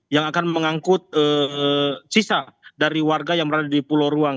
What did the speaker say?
yang akan mengangkut sisa dari warga yang berada di pulau ruang